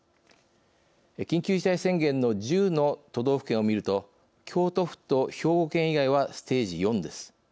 緊急事態宣言の１０の都道府県を見ると京都府と兵庫県以外はステージ４です。